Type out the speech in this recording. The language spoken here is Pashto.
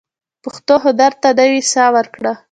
پښتو هنر ته نوې ساه ورکړو.